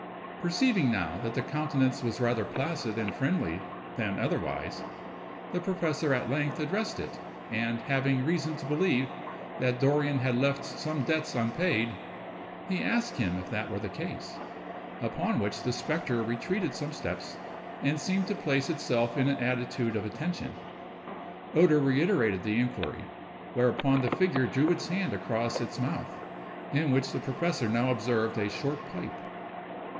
Perceiving now, that the countenance was rather placid and friendly than otherwise, the professor at length addressed it, and, having reason to believe that Dorrien had left some debts unpaid, he asked him if that were the case, upon which the spectre retreated some steps, and seemed to place itself in an attitude of attention. Oeder reiterated the inquiry, whereupon the figure drew its hand across its mouth, in which the professor now observed a short pipe.